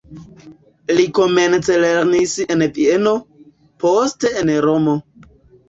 Li komence lernis en Vieno, poste en Romo.